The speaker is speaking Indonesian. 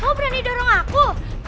kau berani dorong aku